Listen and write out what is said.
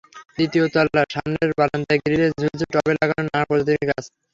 দ্বিতীয় তলার সামনের বারান্দায় গ্রিলে ঝুলছে টবে লাগানো নানা প্রজাতির গাছ।